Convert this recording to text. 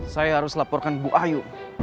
saya harus laporkan bu ayu